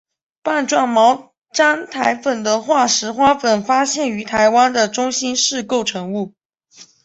棒状毛毡苔粉的化石花粉发现于台湾的中新世构成物。